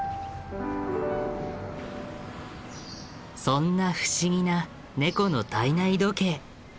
そんな不思議なネコの体内時計。